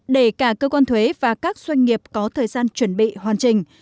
để cả cơ quan thuế và các doanh nghiệp có thời gian chuẩn bị hoàn chỉnh